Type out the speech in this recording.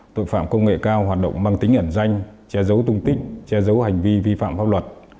tội phạm công nghệ cao hoạt động mang tính ẩn danh che giấu tung tích che giấu hành vi vi phạm pháp luật